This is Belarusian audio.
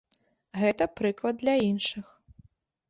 Гэта прыклад для іншых.